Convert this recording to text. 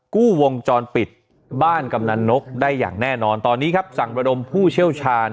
กู้วงจรปิดบ้านกำนันนกได้อย่างแน่นอนตอนนี้ครับสั่งระดมผู้เชี่ยวชาญ